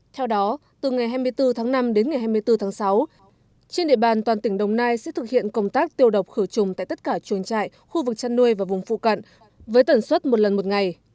theo đó từ ngày hai mươi bốn tháng năm đến ngày hai mươi bốn tháng sáu trên địa bàn toàn tỉnh đồng nai sẽ thực hiện công tác tiêu độc khử trùng tại tất cả chuồng trại khu vực chăn nuôi và vùng phụ cận với tần suất một lần một ngày